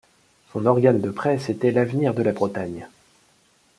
Son organe de presse était l'Avenir de la Bretagne.